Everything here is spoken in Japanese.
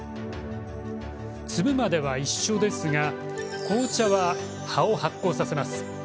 摘むまでは一緒ですが紅茶は葉を発酵させます。